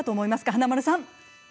華丸さん。